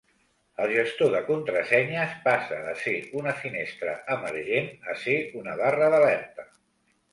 El gestor de contrasenyes passa de ser una finestra emergent a ser una barra d'alerta.